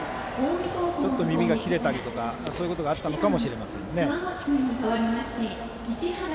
ちょっと耳が切れたりとかそういうことがあったかもしれません。